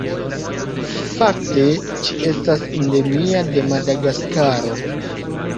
Fakte ĝi estas endemia de Madagaskaro.